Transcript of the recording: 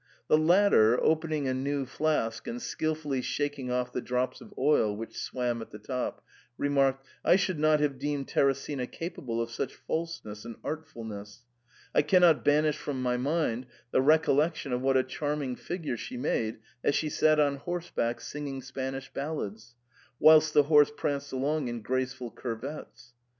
The latter, opening a new flask and skilfully shaking off the drops of oil ' which swam at the top, remarked, " I should not have deemed Teresina capa ble of such falseness and artfulness. I cannot banish from my mind the recollection of what a charming fig ure she made as she sat on horseback singing Spanish ballads, whilst the horse pranced along in graceful cur vets."